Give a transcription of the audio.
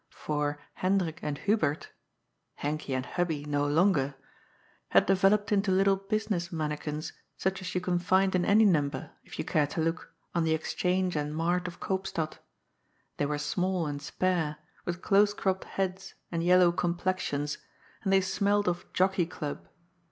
For Hendrik and Hubert — Henkie and Hubbie no longer — ^had developed into little business mannikins such as you can find in any number, if you care to look, on the exchange and mart of Koopstad. They were small and spare, with close cropped heads and yellow complexions, and they smelt of " Jockey Club."